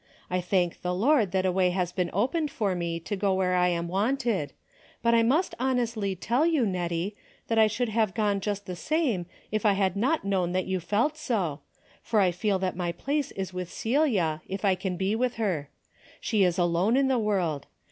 I thank the Lord that a way has been opened for me to go where I am wanted, but I must honestly tell you, N'ettie, that I should have gone just the same if I had not known that you felt so, for I feel that my place is with Celia, if I can be with her. She is alone in the world.